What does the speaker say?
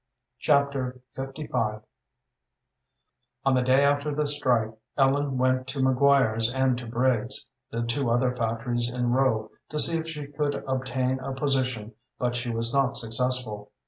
Chapter LV On the day after the strike Ellen went to McGuire's and to Briggs's, the two other factories in Rowe, to see if she could obtain a position; but she was not successful.